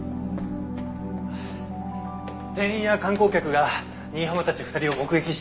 店員や観光客が新浜たち２人を目撃していました。